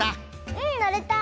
うんのれた！